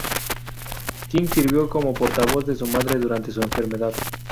King sirvió como portavoz de su madre durante su enfermedad.